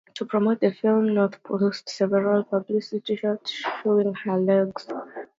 To promote the film, North posed for several publicity shots showing her legs.